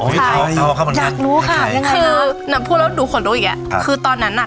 อยากรู้ค่ะยังไงคือน่ะพูดแล้วหนูขอดูอย่างเงี้คือตอนนั้นอ่ะ